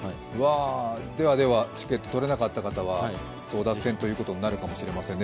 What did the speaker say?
ではチケット取れなかった方は争奪戦となるかもしれませんね。